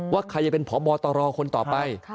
ว่าใครจะเป็นพบตรคนต่อไป